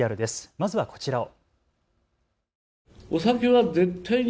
まずはこちらを。